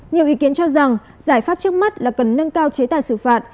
nhiều ý kiến cho rằng giải pháp trước mắt là cần nâng cao chế tài xử phạt